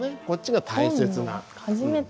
こっちが大切な。